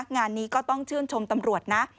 งานนี้ก็ต้องชื่นชมตำรวจนะ